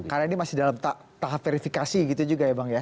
karena ini masih dalam tahap verifikasi gitu juga ya bang ya